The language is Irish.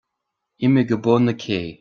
Imigh go bun na cé.